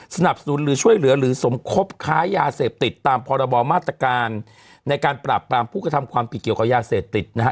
สนับสนุนหรือช่วยเหลือหรือสมคบค้ายาเสพติดตามพรบมาตรการในการปราบปรามผู้กระทำความผิดเกี่ยวกับยาเสพติดนะฮะ